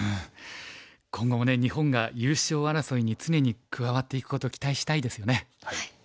今後もね日本が優勝争いに常に加わっていくことを期待したいですよね。